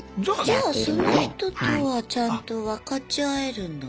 じゃあその人とはちゃんと分かち合えるんだね。